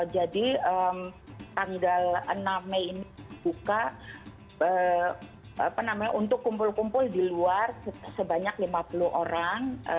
jadi tanggal enam mei ini dibuka untuk kumpul kumpul di luar sebanyak lima puluh orang